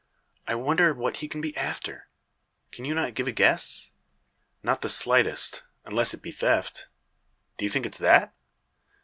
I wonder what he can be after. Can you not give a guess?" "Not the slightest; unless it be theft. Do you think it's that?"